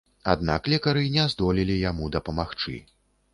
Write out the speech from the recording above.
Аднак лекары не здолелі яму дапамагчы.